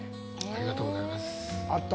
ありがとうございます。